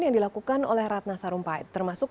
yang dilakukan oleh pemeriksaan